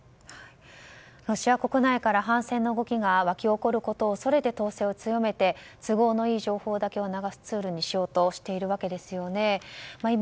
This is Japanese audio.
ロシア国内から反戦の動きが沸き起こることを恐れて統制を強めて都合のいい情報だけを流す流すツールにしようとしているわけですよね。